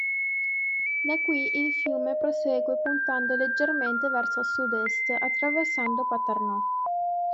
Da qui il fiume prosegue puntando leggermente verso sud-est, attraversando Paternò.